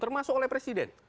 termasuk oleh presiden